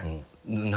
「何？」